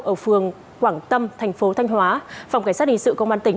ở phường quảng tâm thành phố thanh hóa phòng cảnh sát hình sự công an tỉnh